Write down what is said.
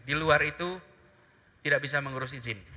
di luar itu tidak bisa mengurus izin